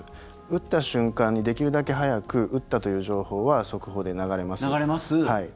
撃った瞬間にできるだけ早く撃ったという情報は速報で流れます。